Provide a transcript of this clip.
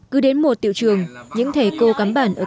cứ đến mùa tiệu trường những thầy cô cắm bản ở trường